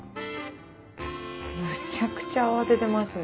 むちゃくちゃ慌ててますね。